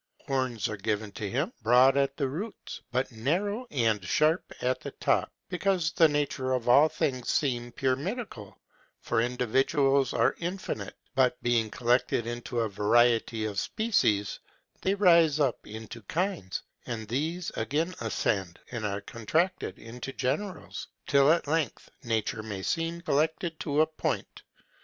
Horns are given him, broad at the roots, but narrow and sharp at the top, because the nature of all things seems pyramidal; for individuals are infinite, but being collected into a variety of species, they rise up into kinds, and these again ascend, and are contracted into generals, till at length nature may seem collected to a point.